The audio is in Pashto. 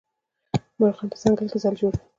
مرغان په ځنګل کې ځالې جوړوي.